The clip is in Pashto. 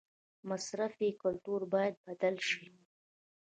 مصرفي کلتور باید بدل شي